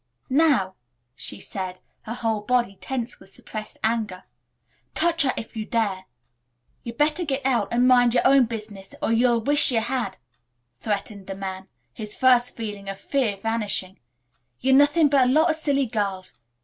"Now," she said, her whole body tense with suppressed anger, "touch her if you dare." "Ye better git out and mind yer own business or ye'll wish ye had," threatened the man, his first feeling of fear vanishing. "Yer nothin' but a lot o' silly girls.